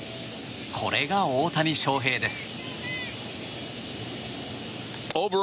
これが大谷翔平です。